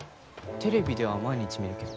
テレビでは毎日見るけど。